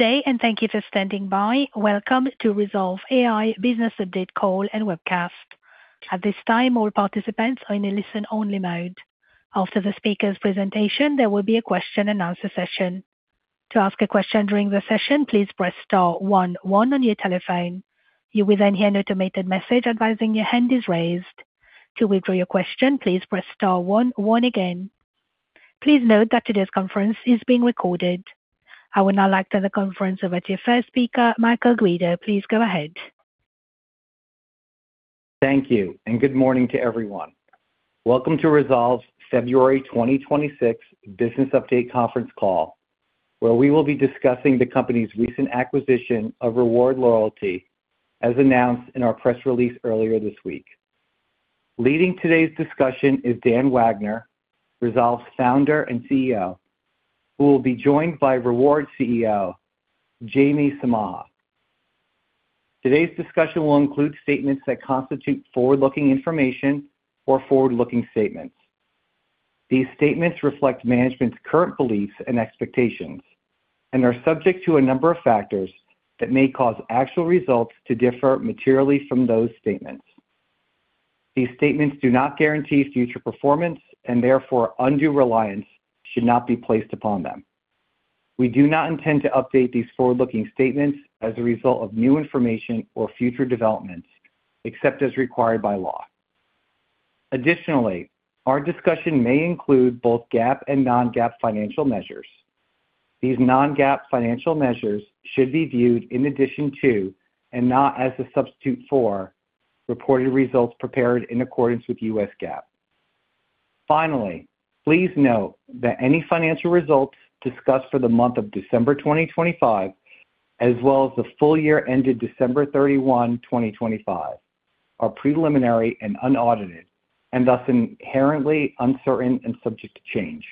Good day, and thank you for standing by. Welcome to Rezolve AI Business Update call and webcast. At this time, all participants are in a listen-only mode. After the speaker's presentation, there will be a question and answer session. To ask a question during the session, please press star one one on your telephone. You will then hear an automated message advising your hand is raised. To withdraw your question, please press star one one again. Please note that today's conference is being recorded. I would now like to turn the conference over to your first speaker, Michael Guido. Please go ahead. Thank you, and good morning to everyone. Welcome to Rezolve's February 2026 business update conference call, where we will be discussing the company's recent acquisition of Reward Loyalty, as announced in our press release earlier this week. Leading today's discussion is Dan Wagner, Rezolve's founder and CEO, who will be joined by Reward CEO Jamie Samaha. Today's discussion will include statements that constitute forward-looking information or forward-looking statements. These statements reflect management's current beliefs and expectations and are subject to a number of factors that may cause actual results to differ materially from those statements. These statements do not guarantee future performance, and therefore undue reliance should not be placed upon them. We do not intend to update these forward-looking statements as a result of new information or future developments, except as required by law. Additionally, our discussion may include both GAAP and Non-GAAP financial measures. These Non-GAAP financial measures should be viewed in addition to, and not as a substitute for, reported results prepared in accordance with U.S. GAAP. Finally, please note that any financial results discussed for the month of December 2025, as well as the full year ended December 31, 2025, are preliminary and unaudited, and thus inherently uncertain and subject to change.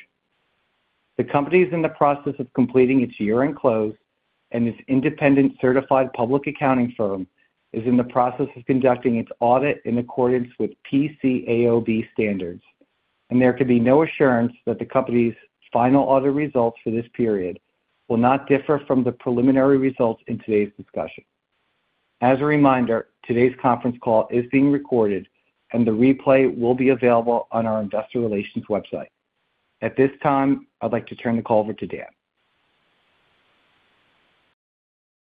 The company is in the process of completing its year-end close, and this independent certified public accounting firm is in the process of conducting its audit in accordance with PCAOB standards, and there can be no assurance that the company's final audit results for this period will not differ from the preliminary results in today's discussion. As a reminder, today's conference call is being recorded, and the replay will be available on our investor relations website. At this time, I'd like to turn the call over to Dan.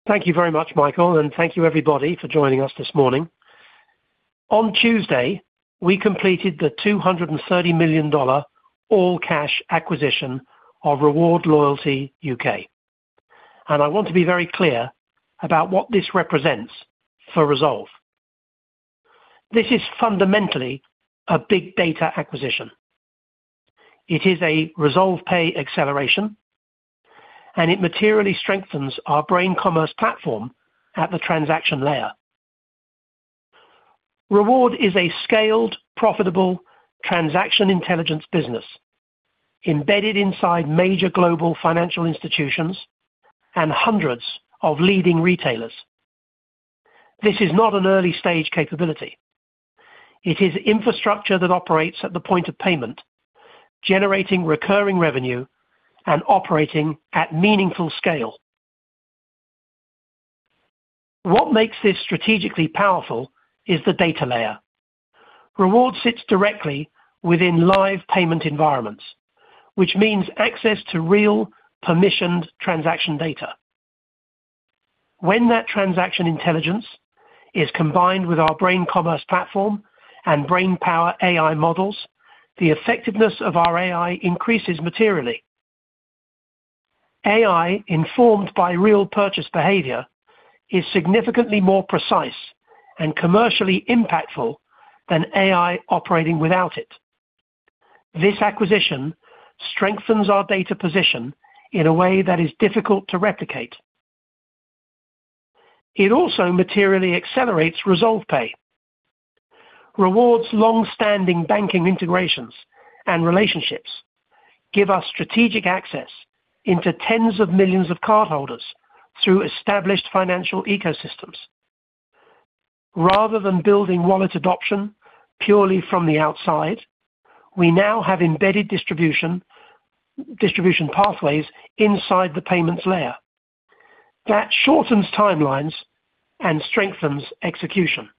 Thank you very much, Michael, and thank you, everybody, for joining us this morning. On Tuesday, we completed the $230 million all-cash acquisition of Reward Loyalty UK. I want to be very clear about what this represents for Rezolve. This is fundamentally a big data acquisition. It is a RezolvePay acceleration, and it materially strengthens our Brain Commerce platform at the transaction layer. Reward is a scaled, profitable transaction intelligence business embedded inside major global financial institutions and hundreds of leading retailers. This is not an early-stage capability. It is infrastructure that operates at the point of payment, generating recurring revenue and operating at meaningful scale. What makes this strategically powerful is the data layer. Reward sits directly within live payment environments, which means access to real permissioned transaction data. When that transaction intelligence is combined with our Brain Commerce platform and Brainpowa AI models, the effectiveness of our AI increases materially. AI, informed by real purchase behavior, is significantly more precise and commercially impactful than AI operating without it. This acquisition strengthens our data position in a way that is difficult to replicate. It also materially accelerates RezolvePay. Reward's long-standing banking integrations and relationships give us strategic access into tens of millions of cardholders through established financial ecosystems. Rather than building wallet adoption purely from the outside, we now have embedded distribution, distribution pathways inside the payments layer. That shortens timelines and strengthens execution.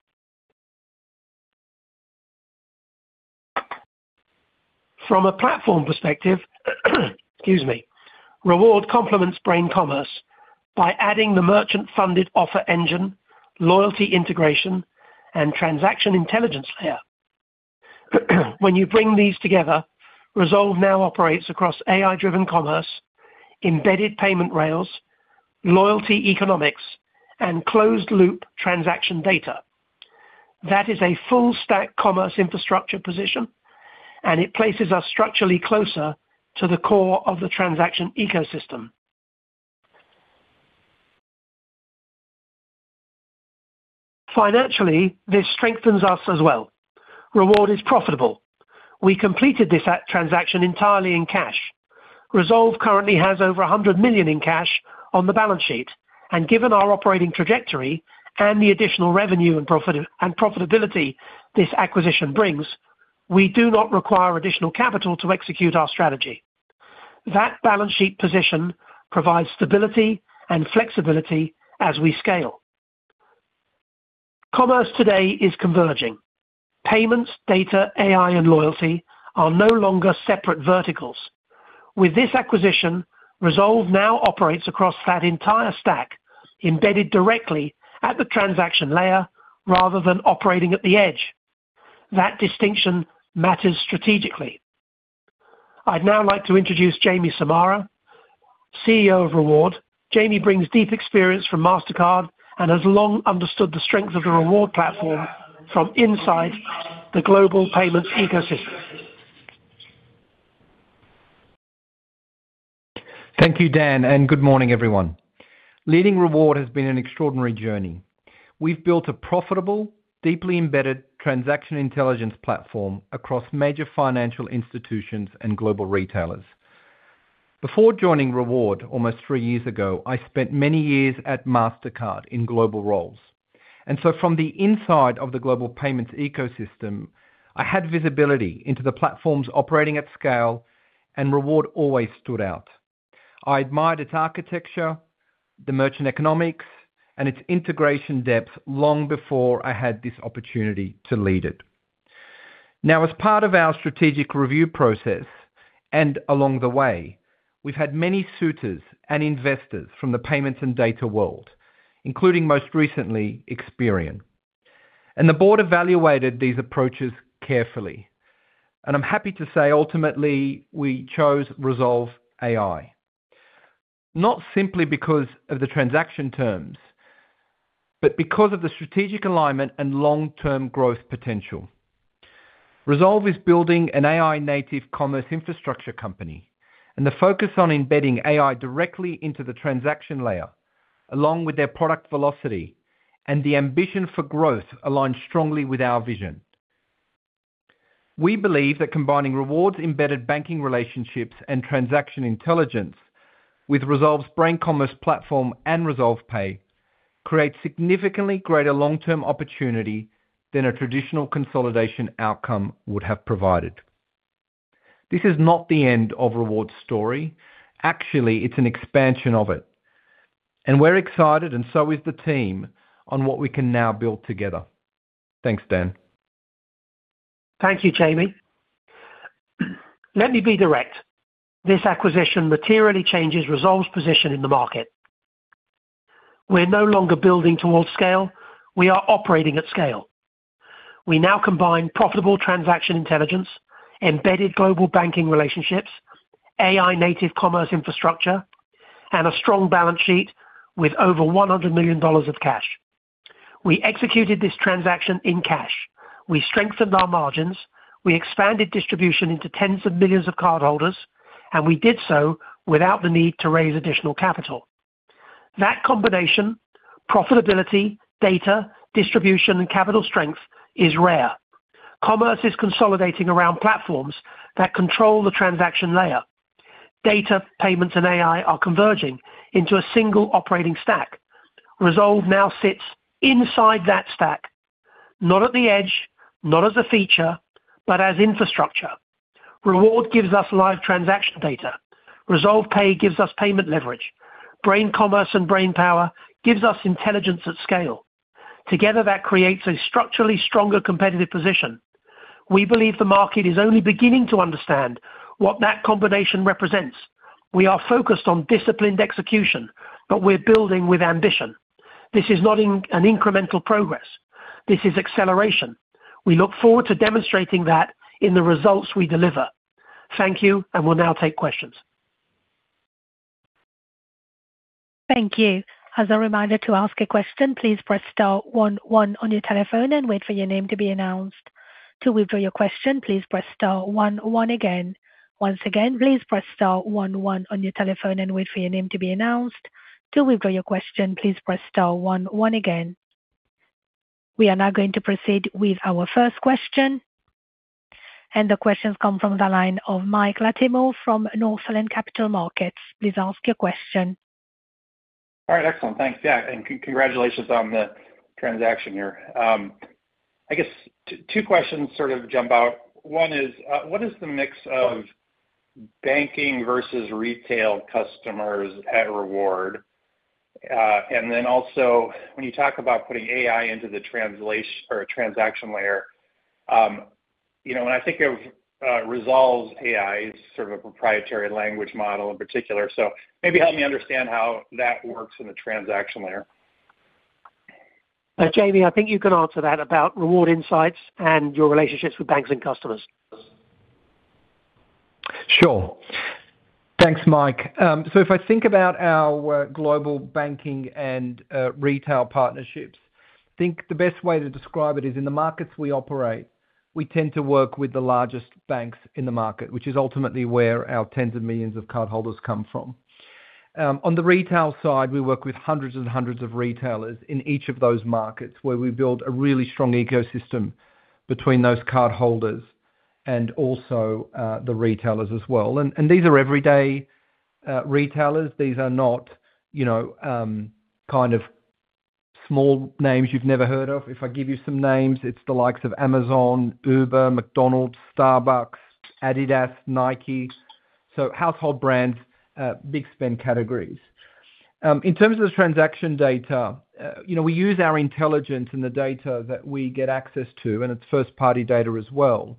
From a platform perspective, excuse me, Reward complements Brain Commerce by adding the merchant-funded offer engine, loyalty integration, and transaction intelligence layer. When you bring these together, Rezolve now operates across AI-driven commerce, embedded payment rails, loyalty economics, and closed-loop transaction data. That is a full-stack commerce infrastructure position, and it places us structurally closer to the core of the transaction ecosystem. Financially, this strengthens us as well. Reward is profitable. We completed this transaction entirely in cash. Rezolve currently has over $100 million in cash on the balance sheet, and given our operating trajectory and the additional revenue and profit and profitability this acquisition brings. We do not require additional capital to execute our strategy. That balance sheet position provides stability and flexibility as we scale. Commerce today is converging. Payments, data, AI, and loyalty are no longer separate verticals. With this acquisition, Rezolve now operates across that entire stack, embedded directly at the transaction layer rather than operating at the edge. That distinction matters strategically. I'd now like to introduce Jamie Samaha, CEO of Reward. Jamie brings deep experience from Mastercard and has long understood the strength of the Reward platform from inside the global payments ecosystem. Thank you, Dan, and good morning, everyone. Leading Reward has been an extraordinary journey. We've built a profitable, deeply embedded transaction intelligence platform across major financial institutions and global retailers. Before joining Reward almost three years ago, I spent many years at Mastercard in global roles. And so from the inside of the global payments ecosystem, I had visibility into the platforms operating at scale, and Reward always stood out. I admired its architecture, the merchant economics, and its integration depth long before I had this opportunity to lead it. Now, as part of our strategic review process, and along the way, we've had many suitors and investors from the payments and data world, including, most recently, Experian. And the board evaluated these approaches carefully, and I'm happy to say ultimately we chose Rezolve AI. Not simply because of the transaction terms, but because of the strategic alignment and long-term growth potential. Rezolve is building an AI-native commerce infrastructure company, and the focus on embedding AI directly into the transaction layer, along with their product velocity and the ambition for growth, aligns strongly with our vision. We believe that combining Reward's embedded banking relationships and transaction intelligence with Rezolve's Brain Commerce platform and RezolvePay creates significantly greater long-term opportunity than a traditional consolidation outcome would have provided. This is not the end of Reward's story. Actually, it's an expansion of it, and we're excited, and so is the team, on what we can now build together. Thanks, Dan. Thank you, Jamie. Let me be direct. This acquisition materially changes Rezolve's position in the market. We're no longer building towards scale. We are operating at scale. We now combine profitable transaction intelligence, embedded global banking relationships, AI-native commerce infrastructure, and a strong balance sheet with over $100 million of cash. We executed this transaction in cash. We strengthened our margins, we expanded distribution into tens of millions of cardholders, and we did so without the need to raise additional capital. That combination, profitability, data, distribution, and capital strength, is rare. Commerce is consolidating around platforms that control the transaction layer. Data, payments, and AI are converging into a single operating stack. Rezolve now sits inside that stack, not at the edge, not as a feature, but as infrastructure. Reward gives us live transaction data. RezolvePay gives us payment leverage. Brain Commerce and Brainpowa gives us intelligence at scale. Together, that creates a structurally stronger competitive position. We believe the market is only beginning to understand what that combination represents. We are focused on disciplined execution, but we're building with ambition. This is not an incremental progress. This is acceleration. We look forward to demonstrating that in the results we deliver. Thank you, and we'll now take questions. Thank you. As a reminder, to ask a question, please press star one one on your telephone and wait for your name to be announced. To withdraw your question, please press star one one again. Once again, please press star one one on your telephone and wait for your name to be announced. To withdraw your question, please press star one one again. We are now going to proceed with our first question, and the questions come from the line of Mike Latimore from Northland Capital Markets. Please ask your question. All right. Excellent. Thanks, yeah, and congratulations on the transaction here. I guess two questions sort of jump out. One is, what is the mix of banking versus retail customers at Reward? And then also, when you talk about putting AI into the translation or transaction layer, you know, when I think of, Rezolve's AI, sort of a proprietary language model in particular, so maybe help me understand how that works in the transaction layer? Jamie, I think you can answer that about Reward insights and your relationships with banks and customers. Sure. Thanks, Mike. So if I think about our global banking and retail partnerships, I think the best way to describe it is in the markets we operate, we tend to work with the largest banks in the market, which is ultimately where our tens of millions of cardholders come from. On the retail side, we work with hundreds and hundreds of retailers in each of those markets, where we build a really strong ecosystem between those cardholders and also the retailers as well. And these are everyday retailers. These are not, you know, kind of small names you've never heard of. If I give you some names, it's the likes of Amazon, Uber, McDonald's, Starbucks, Adidas, Nike. So household brands, big spend categories. In terms of the transaction data, you know, we use our intelligence and the data that we get access to, and it's first-party data as well,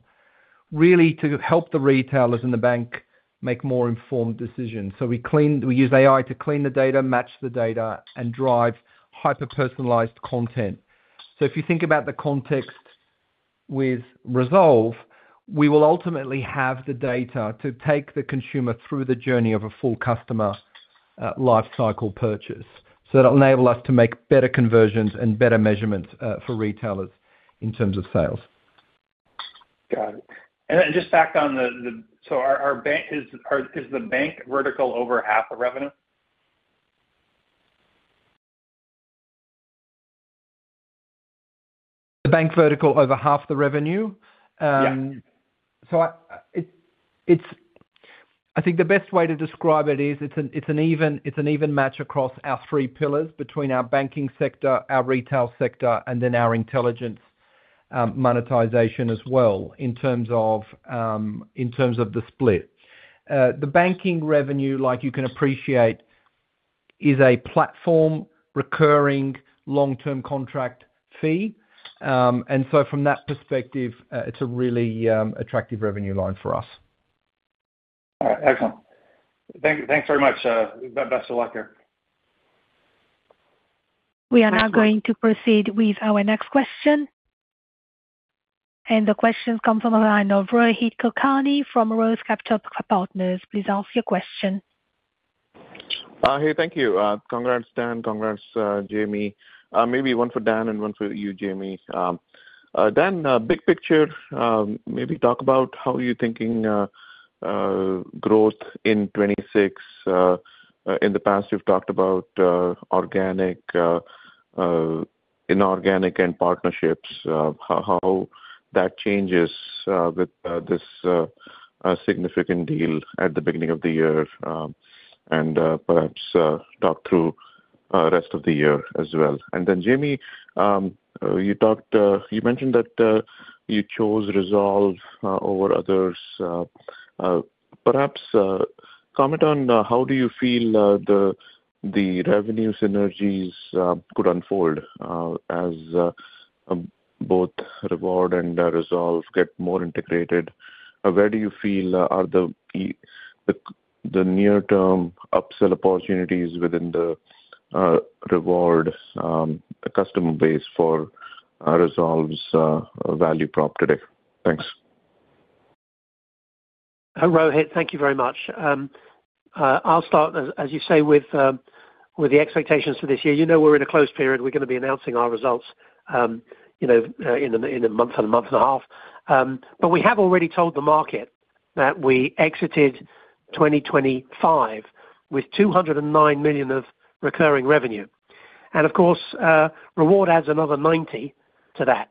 really to help the retailers and the bank make more informed decisions. So we use AI to clean the data, match the data, and drive hyper-personalized content. So if you think about the context with Rezolve, we will ultimately have the data to take the consumer through the journey of a full customer life cycle purchase. So that'll enable us to make better conversions and better measurements for retailers in terms of sales. Got it. And then just back on the so our bank is the bank vertical over half the revenue? The bank vertical over half the revenue? Yeah. So, I think the best way to describe it is, it's an even match across our three pillars, between our banking sector, our retail sector, and then our intelligence monetization as well, in terms of the split. The banking revenue, like you can appreciate, is a platform, recurring, long-term contract fee. And so from that perspective, it's a really attractive revenue line for us. All right. Excellent. Thank, thanks very much, best of luck there. We are now going to proceed with our next question. The question comes from the line of Rohit Kulkarni from Roth Capital Partners. Please ask your question. Hey, thank you. Congrats, Dan. Congrats, Jamie. Maybe one for Dan and one for you, Jamie. Dan, big picture, maybe talk about how you're thinking growth in 2026. In the past, you've talked about organic, inorganic and partnerships, how that changes with this significant deal at the beginning of the year. And perhaps talk through rest of the year as well. And then, Jamie, you talked, you mentioned that you chose Rezolve over others. Perhaps comment on how do you feel the revenue synergies could unfold as both Reward and Rezolve get more integrated? Where do you feel are the near-term upsell opportunities within the Reward customer base for Rezolve's value prop today? Thanks. Rohit, thank you very much. I'll start as you say, with the expectations for this year. You know, we're in a close period, we're gonna be announcing our results, you know, in a month and a month and a half. But we have already told the market that we exited 2025 with $209 million of recurring revenue. And of course, Reward adds another $90 million to that.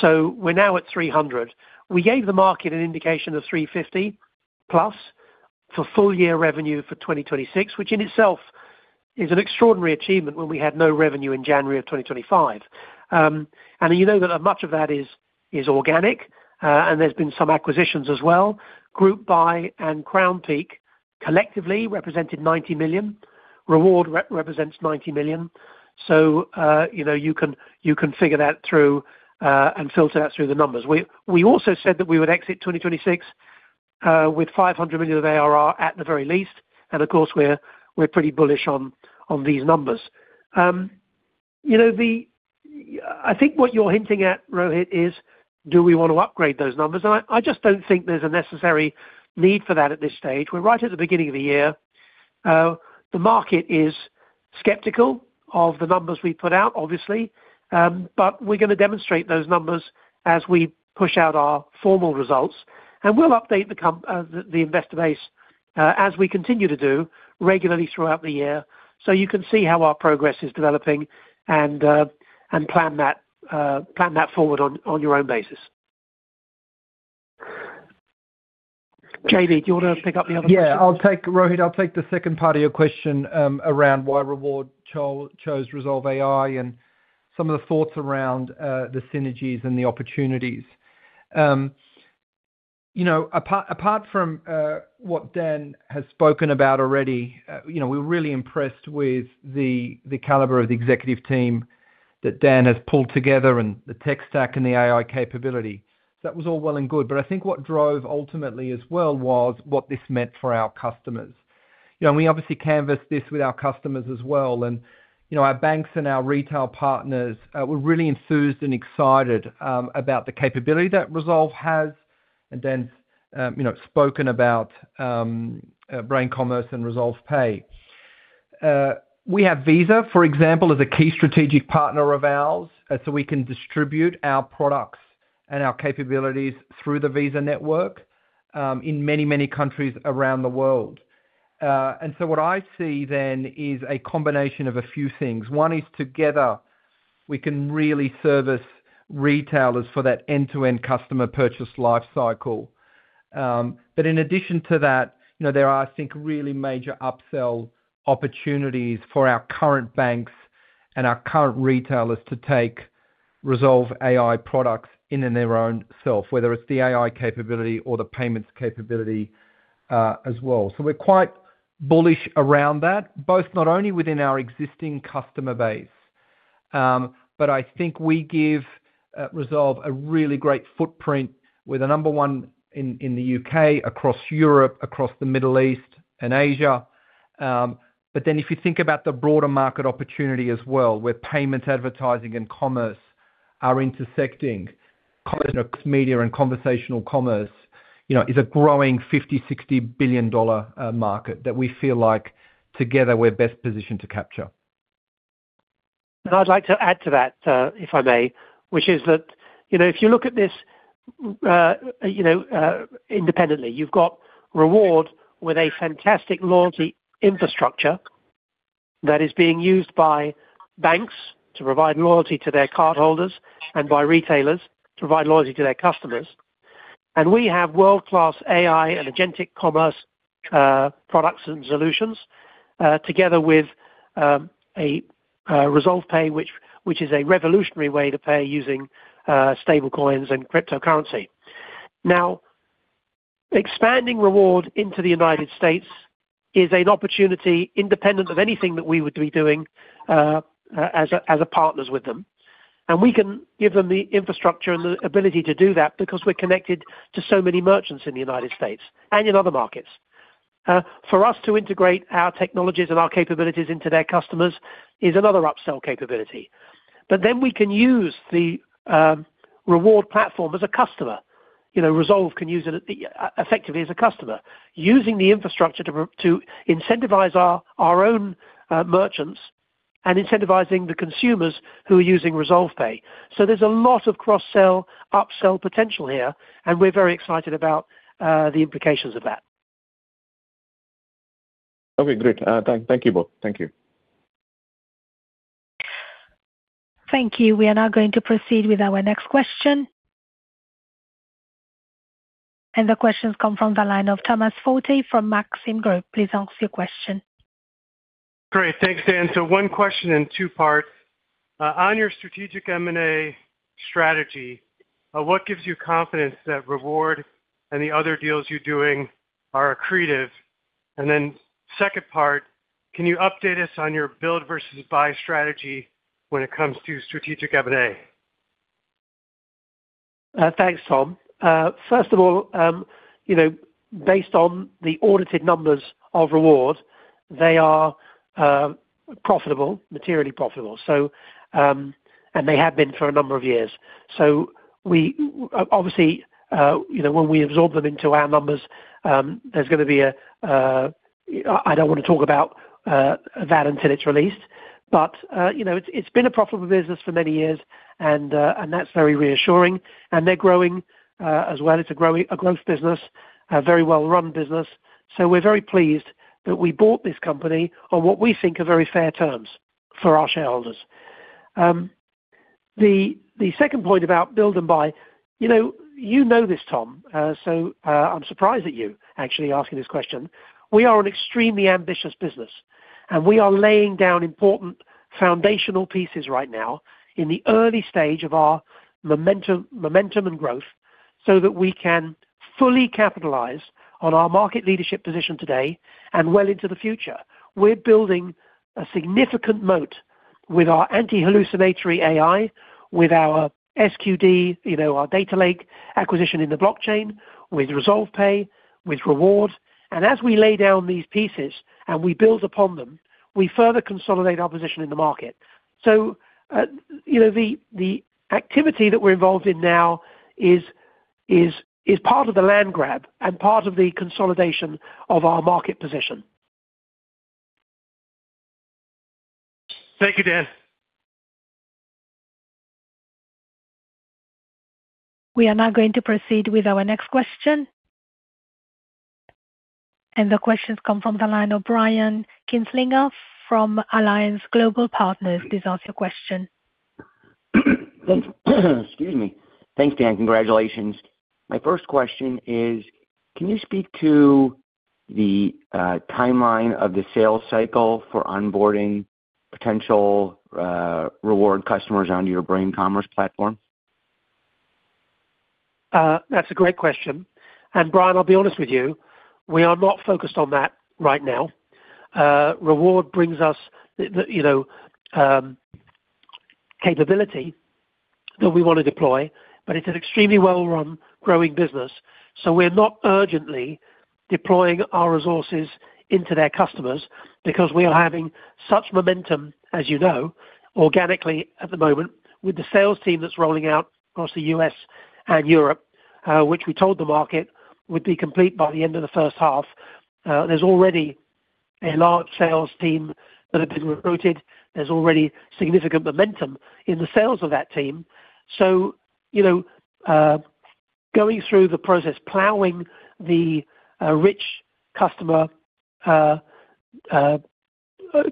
So we're now at $300 million. We gave the market an indication of $350 million+ for full year revenue for 2026, which in itself is an extraordinary achievement when we had no revenue in January of 2025. And you know that much of that is organic, and there's been some acquisitions as well. GroupBy and Crownpeak collectively represented $90 million. Reward represents 90 million. So, you know, you can, you can figure that through, and filter that through the numbers. We, we also said that we would exit 2026 with $500 million of ARR at the very least, and of course, we're, we're pretty bullish on, on these numbers. You know, the... I think what you're hinting at, Rohit, is, do we want to upgrade those numbers? And I, I just don't think there's a necessary need for that at this stage. We're right at the beginning of the year. The market is skeptical of the numbers we put out, obviously, but we're gonna demonstrate those numbers as we push out our formal results, and we'll update the investor base as we continue to do regularly throughout the year, so you can see how our progress is developing and plan that forward on your own basis. Jamie, do you want to pick up the other piece? Yeah, I'll take, Rohit, I'll take the second part of your question around why Reward chose Rezolve AI and some of the thoughts around the synergies and the opportunities. You know, apart from what Dan has spoken about already, you know, we're really impressed with the caliber of the executive team that Dan has pulled together and the tech stack and the AI capability. So that was all well and good, but I think what drove ultimately as well was what this meant for our customers. You know, and we obviously canvassed this with our customers as well, and, you know, our banks and our retail partners were really enthused and excited about the capability that Rezolve has, and then spoken about Brain Commerce and RezolvePay. We have Visa, for example, as a key strategic partner of ours, so we can distribute our products and our capabilities through the Visa network, in many, many countries around the world. And so what I see then is a combination of a few things. One is together, we can really service retailers for that end-to-end customer purchase life cycle. But in addition to that, you know, there are, I think, really major upsell opportunities for our current banks and our current retailers to take Rezolve AI products in and their own self, whether it's the AI capability or the payments capability, as well. So we're quite bullish around that, both not only within our existing customer base, but I think we give Rezolve a really great footprint with a number one in the UK, across Europe, across the Middle East and Asia. But then if you think about the broader market opportunity as well, where payments, advertising, and commerce are intersecting, media and conversational commerce, you know, is a growing $50-$60 billion market that we feel like together we're best positioned to capture. I'd like to add to that, if I may, which is that, you know, if you look at this, you know, independently, you've got Reward with a fantastic loyalty infrastructure that is being used by banks to provide loyalty to their cardholders and by retailers to provide loyalty to their customers. And we have world-class AI and Agentic Commerce products and solutions together with a RezolvePay, which is a revolutionary way to pay using stable coins and cryptocurrency. Now, expanding Reward into the United States is an opportunity independent of anything that we would be doing as partners with them. And we can give them the infrastructure and the ability to do that because we're connected to so many merchants in the United States and in other markets. For us to integrate our technologies and our capabilities into their customers is another upsell capability. But then we can use the Reward platform as a customer. You know, Rezolve can use it, effectively as a customer, using the infrastructure to incentivize our own merchants and incentivizing the consumers who are using RezolvePay. So there's a lot of cross sell, upsell potential here, and we're very excited about the implications of that. Okay, great. Thank you both. Thank you. Thank you. We are now going to proceed with our next question. The questions come from the line of Thomas Forte from Maxim Group. Please ask your question. Great. Thanks, Dan. So one question in two parts. On your strategic M&A strategy, what gives you confidence that Reward and the other deals you're doing are accretive? And then second part, can you update us on your build versus buy strategy when it comes to strategic M&A? Thanks, Tom. First of all, you know, based on the audited numbers of Reward, they are profitable, materially profitable. So, and they have been for a number of years. So we obviously, you know, when we absorb them into our numbers, there's gonna be a... I don't want to talk about that until it's released. But, you know, it's been a profitable business for many years, and that's very reassuring. And they're growing as well. It's a growing growth business, a very well-run business. So we're very pleased that we bought this company on what we think are very fair terms for our shareholders. The second point about build and buy, you know, you know this, Tom, so, I'm surprised at you actually asking this question. We are an extremely ambitious business, and we are laying down important foundational pieces right now in the early stage of our momentum, momentum and growth, so that we can fully capitalize on our market leadership position today and well into the future. We're building a significant moat with our anti-hallucinatory AI, with our SQD, you know, our data lake acquisition in the blockchain, with RezolvePay, with Reward, and as we lay down these pieces and we build upon them, we further consolidate our position in the market. So, you know, the activity that we're involved in now is part of the land grab and part of the consolidation of our market position. Thank you, Dan. We are now going to proceed with our next question. The questions come from the line of Brian Kinstlinger from Alliance Global Partners. Please ask your question. Excuse me. Thanks, Dan. Congratulations. My first question is, can you speak to the timeline of the sales cycle for onboarding potential Reward customers onto your Brain Commerce platform? That's a great question. And Brian, I'll be honest with you, we are not focused on that right now. Reward brings us the you know capability that we want to deploy, but it's an extremely well-run, growing business, so we're not urgently deploying our resources into their customers because we are having such momentum, as you know, organically at the moment with the sales team that's rolling out across the US and Europe, which we told the market would be complete by the end of the first half. There's already a large sales team that have been recruited. There's already significant momentum in the sales of that team. So, you know, going through the process, plowing the rich customer, customer-...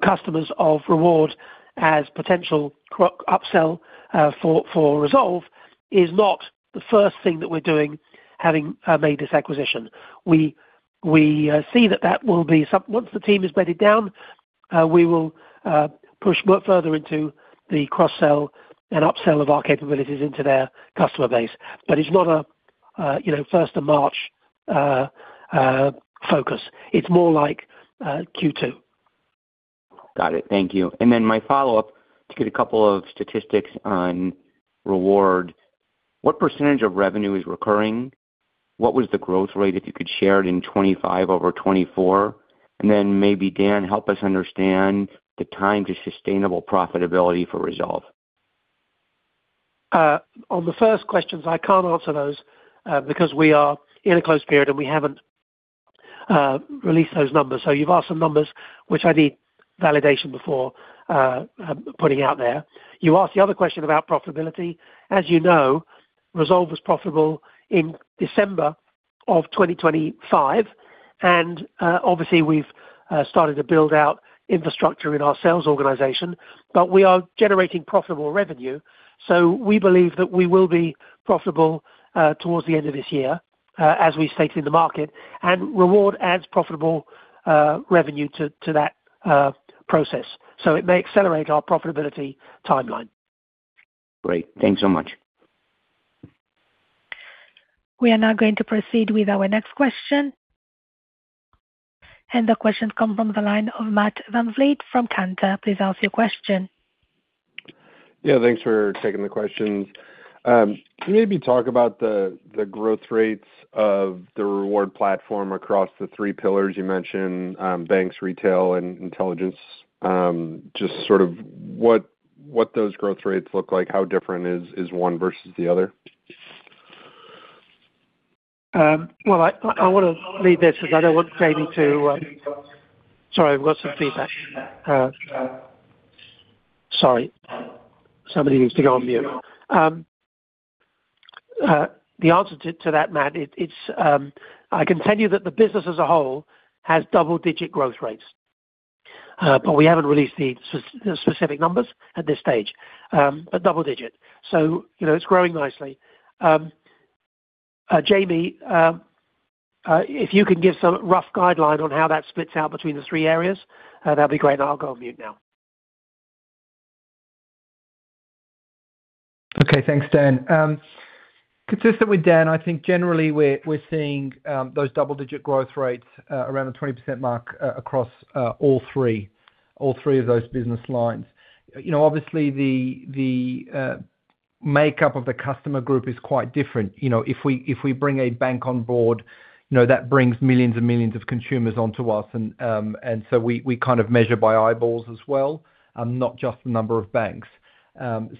Customers of Reward as potential cross-upsell for Rezolve is not the first thing that we're doing, having made this acquisition. We see that that will be something. Once the team is bedded down, we will push more further into the cross-sell and upsell of our capabilities into their customer base. But it's not a, you know, first of March focus. It's more like Q2. Got it. Thank you. And then my follow-up, to get a couple of statistics on Reward, what percentage of revenue is recurring? What was the growth rate, if you could share it in 2025 over 2024? And then maybe, Dan, help us understand the time to sustainable profitability for Rezolve. On the first questions, I can't answer those, because we are in a close period, and we haven't released those numbers. So you've asked some numbers which I need validation before putting out there. You asked the other question about profitability. As you know, Rezolve was profitable in December of 2025, and, obviously, we've started to build out infrastructure in our sales organization, but we are generating profitable revenue. So we believe that we will be profitable towards the end of this year, as we stated in the market, and Reward adds profitable revenue to that process. So it may accelerate our profitability timeline. Great. Thanks so much. We are now going to proceed with our next question. The question comes from the line of Matt VanVleet from Cantor. Please ask your question. Yeah, thanks for taking the questions. Can you maybe talk about the growth rates of the Reward platform across the three pillars you mentioned, banks, retail, and intelligence? Just sort of what those growth rates look like, how different is one versus the other? Well, I want to leave this because I don't want Jamie to... Sorry, I've got some feedback. Sorry. Somebody needs to go on mute. The answer to that, Matt, it's, I can tell you that the business as a whole has double-digit growth rates. But we haven't released the specific numbers at this stage, but double digit, so you know, it's growing nicely. Jamie, if you can give some rough guideline on how that splits out between the three areas, that'd be great. I'll go on mute now. Okay. Thanks, Dan. Consistent with Dan, I think generally we're seeing those double-digit growth rates around the 20% mark across all three of those business lines. You know, obviously, the makeup of the customer group is quite different. You know, if we bring a bank on board, you know, that brings millions and millions of consumers onto us, and so we kind of measure by eyeballs as well, not just the number of banks.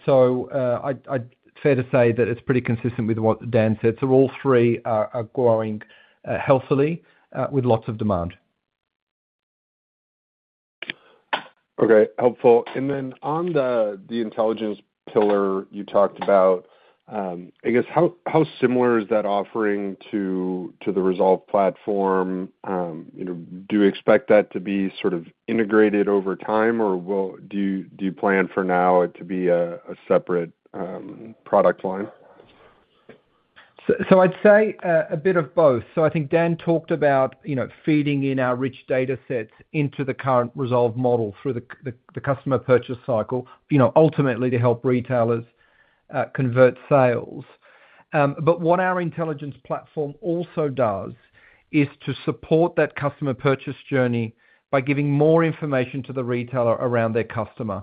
So, I'd say it's fair to say that it's pretty consistent with what Dan said. So all three are growing healthily with lots of demand. Okay, helpful. And then on the intelligence pillar you talked about, I guess, how similar is that offering to the Rezolve platform? You know, do you expect that to be sort of integrated over time, or will you plan for now it to be a separate product line? So I'd say a bit of both. So I think Dan talked about, you know, feeding in our rich data sets into the current Rezolve model through the customer purchase cycle, you know, ultimately to help retailers convert sales. But what our intelligence platform also does is to support that customer purchase journey by giving more information to the retailer around their customer.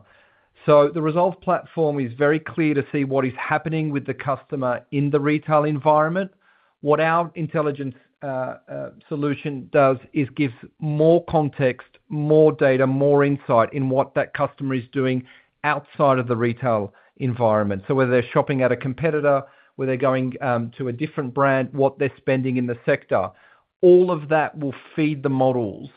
So the Rezolve platform is very clear to see what is happening with the customer in the retail environment. What our intelligence solution does is give more context, more data, more insight in what that customer is doing outside of the retail environment. So whether they're shopping at a competitor, whether they're going to a different brand, what they're spending in the sector. All of that will feed the models,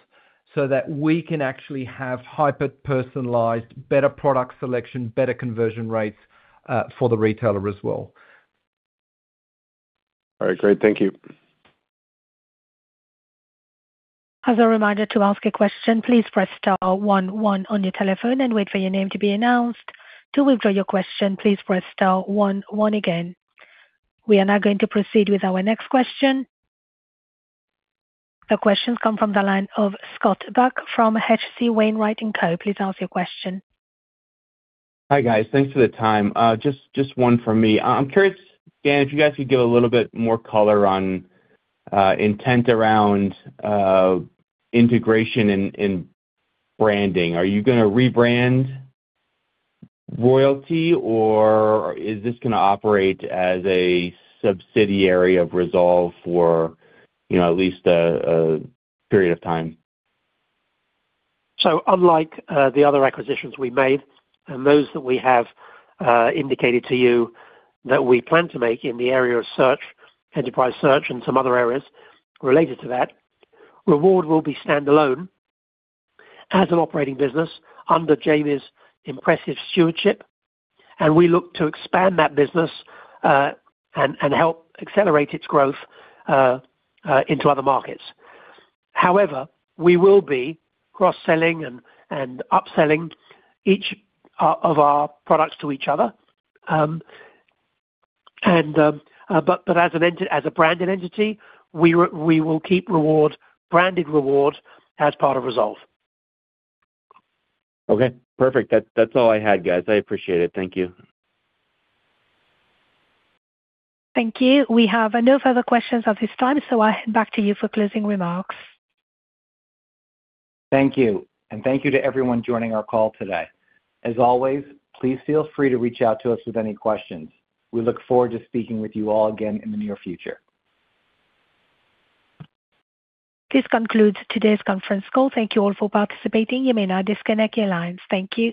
so that we can actually have hyper-personalized, better product selection, better conversion rates, for the retailer as well. All right, great. Thank you. As a reminder, to ask a question, please press star one one on your telephone and wait for your name to be announced. To withdraw your question, please press star one one again. We are now going to proceed with our next question. The question comes from the line of Scott Buck from H.C. Wainwright & Co. Please ask your question. Hi, guys. Thanks for the time. Just, just one for me. I'm curious, Dan, if you guys could give a little bit more color on intent around integration and branding. Are you gonna rebrand Reward, or is this gonna operate as a subsidiary of Rezolve for, you know, at least a period of time? So unlike the other acquisitions we've made and those that we have indicated to you that we plan to make in the area of search, enterprise search and some other areas related to that, Reward will be standalone as an operating business under Jamie's impressive stewardship, and we look to expand that business and help accelerate its growth into other markets. However, we will be cross-selling and upselling each of our products to each other. But as a branded entity, we will keep Reward, branded Reward, as part of Rezolve. Okay, perfect. That, that's all I had, guys. I appreciate it. Thank you. Thank you. We have no further questions at this time, so I hand back to you for closing remarks. Thank you, and thank you to everyone joining our call today. As always, please feel free to reach out to us with any questions. We look forward to speaking with you all again in the near future. This concludes today's conference call. Thank you all for participating. You may now disconnect your lines. Thank you.